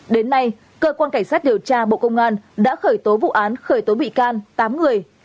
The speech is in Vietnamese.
đến nay cơ quan cảnh sát điều tra bộ công an đã khởi tố vụ án khởi tố bị can tám người